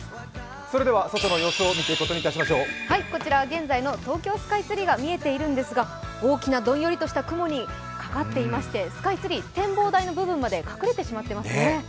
現在の東京スカイツリーが見えているんですが大きなどんよりとした雲にかかっていましてスカイツリー、展望台の部分まで隠れてしまっていますね。